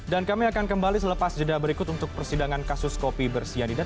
dan kami akan kembali selepas jeda berikut untuk persidangan kasus kopi bersih yang tidak